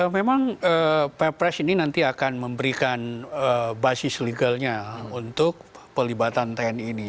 memang perpres ini nanti akan memberikan basis legalnya untuk pelibatan tni ini